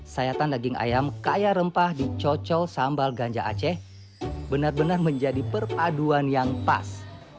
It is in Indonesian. sayatan daging ayam kaya rempah dicocol sambal ganja aceh benar benar menjadi perpaduan yang pas